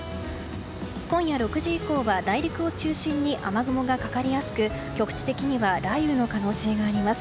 今夜６時以降は内陸を中心に雨雲がかかりやすく局地的には雷雨の可能性があります。